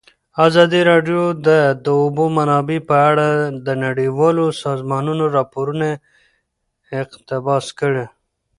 ازادي راډیو د د اوبو منابع په اړه د نړیوالو سازمانونو راپورونه اقتباس کړي.